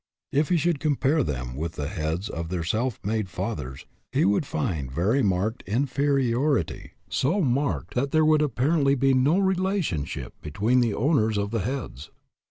If he should compare them with the heads of their self made fathers, he would find very marked inferiority, so marked that there would 214 DOES THE WORLD OWE YOU,? apparently be no relationship between the own ers of the heads.